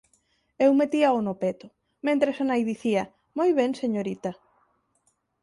Eu metíao no peto, mentres a nai dicía: «Moi ben, señorita.»